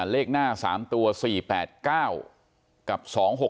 เลขหน้า๓ตัว๔๘๙กับ๒๖๖